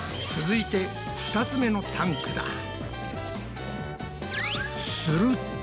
続いて２つ目のタンクだ。